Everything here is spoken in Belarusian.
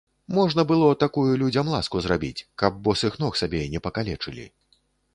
Можна было такую людзям ласку зрабіць, каб босых ног сабе не пакалечылі.